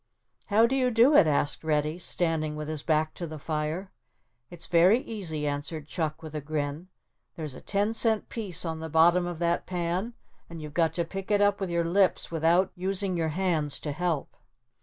"How do you do it?" asked Reddy, standing with his back to the fire. "It's very easy," answered Chuck with a grin. "There's a ten cent piece on the bottom of that pan and you've got to pick it up with your lips without using your hands to help."